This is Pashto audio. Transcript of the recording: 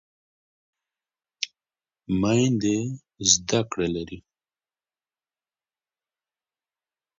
میندې زده کړه لري.